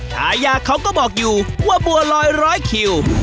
ชายาเขาก็บอกอยู่ว่าบัวลอยร้อยคิว